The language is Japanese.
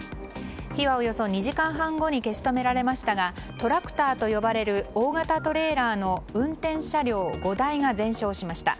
火はおよそ２時間半後に消し止められましたがトラクターと呼ばれる大型トレーラーの運転車両５台が全焼しました。